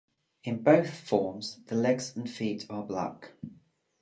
In both forms the legs and feet are black.